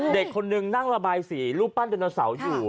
เด็กคนนึงนั่งระบายสีรูปปั้นดนโนเสาร์อยู่